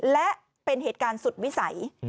และเป็นเหตุการณ์สุดวิสัย